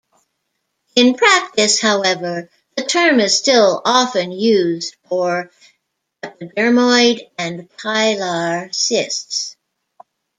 In practice however, the term is still often used for epidermoid and pilar cysts.